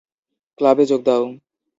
ক্লাবে যোগ দাও।